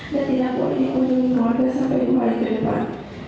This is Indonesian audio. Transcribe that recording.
dan tidak boleh dipunyai mewargai sampai kembali ke depan